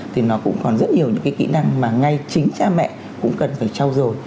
thì nó cũng còn rất nhiều những cái kỹ năng mà ngay chính cha mẹ cũng cần phải trao dồi